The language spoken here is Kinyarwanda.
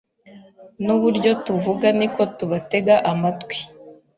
Nuburyo tuvuga niko tubatega amatwi